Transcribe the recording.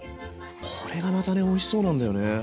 これがまたねおいしそうなんだよね。